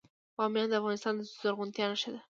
بامیان د افغانستان د زرغونتیا نښه ده.